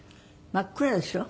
真っ暗でしょ？